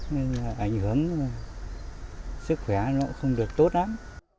nên là ảnh hưởng sức khỏe nó cũng không được tốt lắm